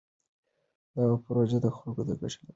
دغه پروژه د خلکو د ګټې لپاره ده.